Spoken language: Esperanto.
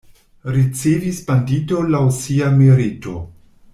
Ricevis bandito laŭ sia merito.